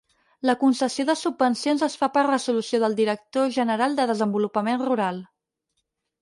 La concessió de subvencions es fa per resolució del director general de Desenvolupament Rural.